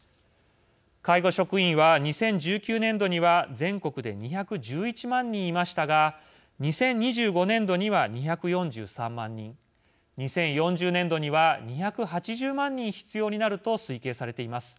介護職員は２０１９年度には全国で２１１万人いましたが２０２５年度には２４３万人２０４０年度には２８０万人必要になると推計されています。